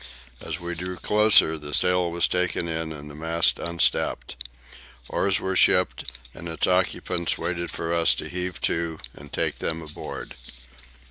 As we drew closer, the sail was taken in and the mast unstepped. Oars were shipped, and its occupants waited for us to heave to and take them aboard.